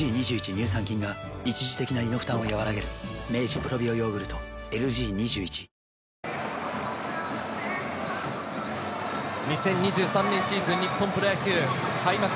乳酸菌が一時的な胃の負担をやわらげる２０２３年シーズン、日本プロ野球開幕。